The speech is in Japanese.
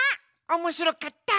おもしろかった！